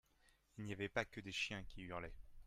Il n'y avait pas que des chiens qui hurlaient.